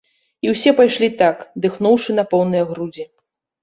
І ўсе пайшлі так, дыхнуўшы на поўныя грудзі.